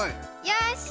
よし！